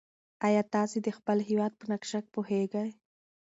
ایا تاسي د خپل هېواد په نقشه پوهېږئ؟